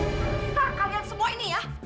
ntar kalian semua ini ya